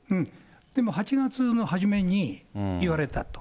でも８月の初めに言われたと。